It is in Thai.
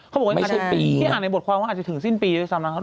ที่อ่านในบทความว่าอาจจะถึงสิ้นปีไว้สำหรับโรงแรม